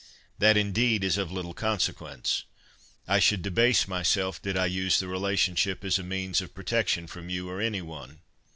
That, indeed, is of little consequence. I should debase myself did I use the relationship as a means of protection from you, or any one."